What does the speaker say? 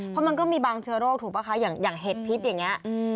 เพราะมันก็มีบางเชื้อโรคถูกป่ะคะอย่างเห็ดพิษอย่างนี้